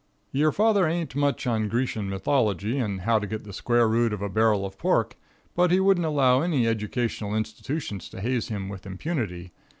Your father aint much on Grecian mythology and how to get the square root of a barrel of pork, but he wouldn't allow any educational institutions to haze him with impunity.